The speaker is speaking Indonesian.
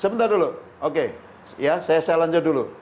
sebentar dulu saya lanjut dulu